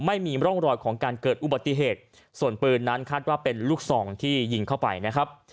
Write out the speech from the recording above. ไม่มีร่องรอยของการเกิดอุบัติเหตุส่วนปืนนั้นคาดว่าเป็นลูกซองที่ยิงเข้าไปนะครับ